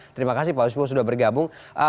terima kasih pak wismo sudah bergabung